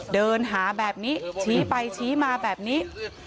เดินหาแบบนี้ชี้ไปชี้มาแบบนี้